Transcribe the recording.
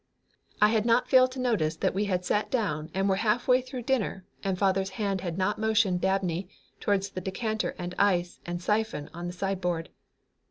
I had not failed to notice that we had sat down and were halfway through dinner and father's hand had not motioned Dabney towards the decanter and ice and siphon on the sideboard.